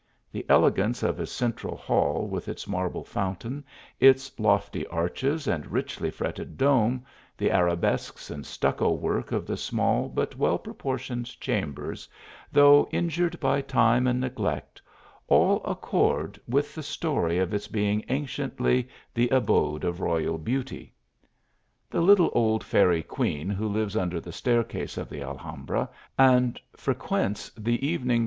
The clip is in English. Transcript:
The elegance of its central hall with its marble fountain, its lofty arches and richly fretted dome; the arabesques and stucco work of the small, but well proportioned chambers, though injured by time and neglect, all accord with the story of its being anciently the abode of royal beauty. THE ALHAMBRA. The little old fairy queen who lives under the staircase of the Alhambra, and frequents the even ing